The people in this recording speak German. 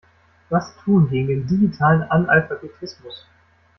Was tun gegen den digitalen Analphabetismus?